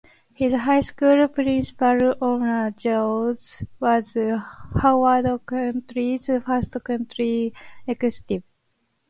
His high school principal, Omar J. Jones, was Howard County's first county executive.